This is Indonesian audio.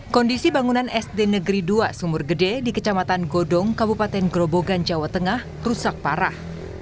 kondisi bangunan sd negeri dua sumur gede di kecamatan godong kabupaten grobogan jawa tengah rusak parah